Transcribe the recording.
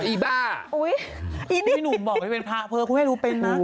อุ้ยนี่หนูบอกมาที่เป็นพระเพลินคุณเม่มให้ดูเป็นน่ะ